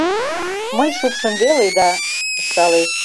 — Мый шупшым веле да! — ышталеш.